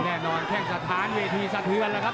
แน่นอนแก้งสถานเวทีสถิวันครับ